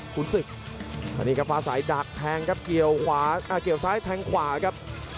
ขุนซึกตอนนี้ครับฟ้าใสดักแทงเกี่ยวซ้ายแทงขวาครับ